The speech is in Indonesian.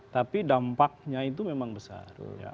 tapi dampaknya itu memang besar